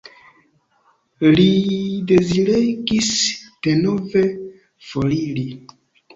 Li deziregis denove foriri.